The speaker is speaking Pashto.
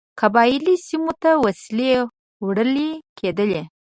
قبایلي سیمو ته وسلې وړلې کېدلې.